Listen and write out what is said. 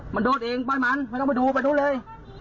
มันโดนเองป้ายมันไม่ต้องไปดูไปดูเลย